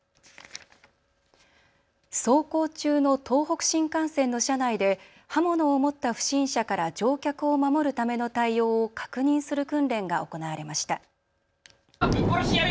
走行中の東北新幹線の車内で刃物を持った不審者から乗客を守るための対応を確認する訓練が行われました。